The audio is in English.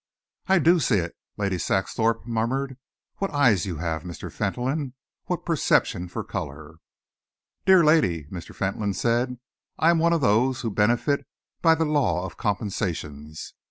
"I do see it," Lady Saxthorpe murmured. "What eyes you have, Mr. Fentolin! What perception for colour!" "Dear lady," Mr. Fentolin said, "I am one of those who benefit by the law of compensations.